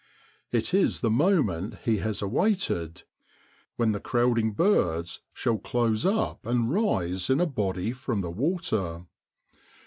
It is the moment he has awaited when the crowding birds shall close up and rise in a body from the water.